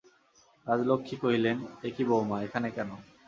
রাজলক্ষ্মী কহিলেন, এ কী বউমা, এখানে কেন।